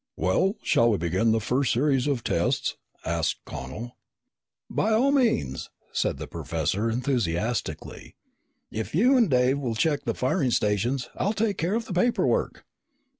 "Well, shall we begin the first series of tests?" asked Connel. "By all means!" said the professor enthusiastically. "If you and Dave will check the firing stations, I'll take care of the paper work!"